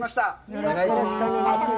よろしくお願いします。